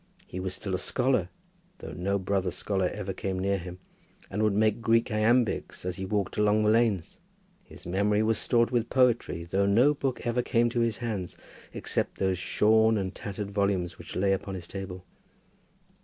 He was still a scholar, though no brother scholar ever came near him, and would make Greek iambics as he walked along the lanes. His memory was stored with poetry, though no book ever came to his hands, except those shorn and tattered volumes which lay upon his table.